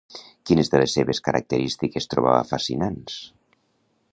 Quines de les seves característiques trobava fascinants?